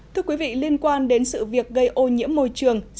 thưa quý vị liên quan đến sự việc gây ô nhiễm môi trường